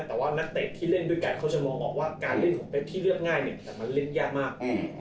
แต่ว่านักเตะที่เล่นด้วยกันเขาจะมองบอกว่าการเล่นของเป๊กที่เลือกง่ายเนี่ยแต่มันเล่นยากมาก